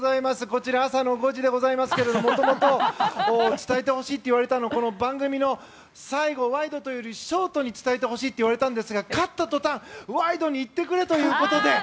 こちら朝の５時でございますけれども元々伝えてほしいって言われていたのは番組の最後ワイドというよりショートに伝えてほしいと言われていたんですが勝った途端、ワイドに言ってくれということで。